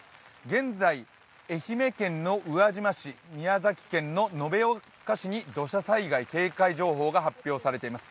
現在、愛媛県の宇和島市、宮崎県の延岡市に土砂災害警戒情報が発表されています。